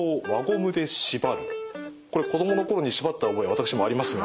これ子供の頃にしばった覚え私もありますが。